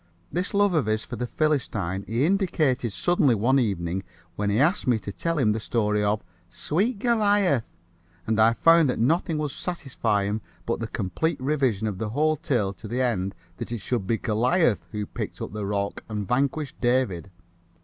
This love of his for the Philistine he indicated suddenly one evening when he asked me to tell him the story of "Sweet Goliath," and I found that nothing would satisfy him but the complete revision of the whole tale to the end that it should be Goliath who picked up the rock and vanquished David.